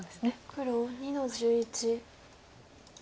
黒２の十一。